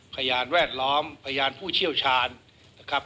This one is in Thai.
พยานแวดล้อมพยานผู้เชี่ยวชาญนะครับ